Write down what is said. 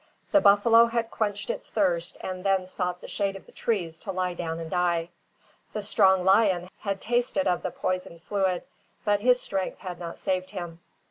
The buffalo had quenched its thirst and then sought the shade of the trees to lie down and die. The strong lion had tasted of the poisoned fluid, but his strength had not saved him.